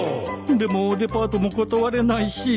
でもデパートも断れないし